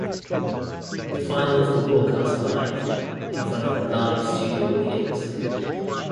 The finals were broadcast live, in front of a live studio audience.